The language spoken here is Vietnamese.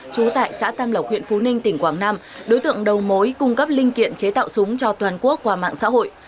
trú tại xã tam lộc huyện phú ninh tỉnh quảng nam đối tượng đầu mối cung cấp linh kiện chế tạo súng cho toàn quốc qua mạng xã hội